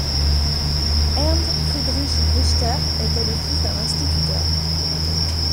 Ernst Friedrich Richter était le fils d'un instituteur.